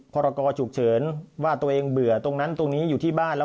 พรกรฉุกเฉินว่าตัวเองเบื่อตรงนั้นตรงนี้อยู่ที่บ้านแล้ว